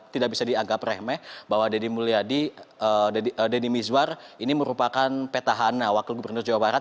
tidak bisa dianggap remeh bahwa deddy mulyadi deni mizwar ini merupakan petahana wakil gubernur jawa barat